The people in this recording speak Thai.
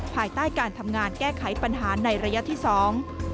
ภายใต้การทำงานแก้ไขปัญหาในระยะที่สอง